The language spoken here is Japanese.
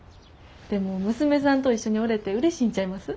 でも娘さんと一緒におれてうれしいんちゃいます？